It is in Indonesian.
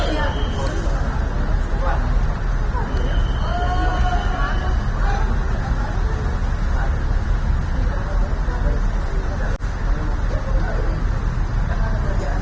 jangan lupa like share dan subscribe ya